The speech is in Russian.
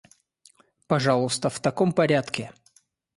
Пожалуйста, в таком порядке.